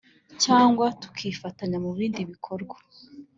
cyangwa tukifatanya mu bindi bikorwa